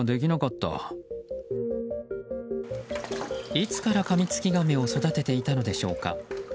いつからカミツキガメを育てていたのでしょうか。